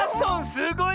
すごい。